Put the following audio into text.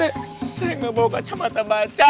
saya tidak mau baca mata baca